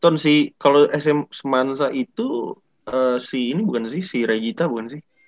ton si kalau semansa itu si ini bukan si si regita bukan sih